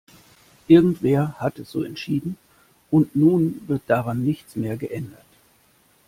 Irgendwer hat es so entschieden, und nun wird daran nichts mehr geändert.